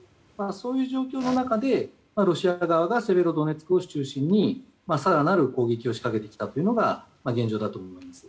そういう状況の中でロシア側がセベロドネツクを中心に更なる攻撃を仕掛けてきたというのが現状だと思います。